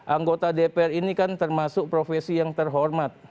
anggota dpr ini kan termasuk profesi yang terhormat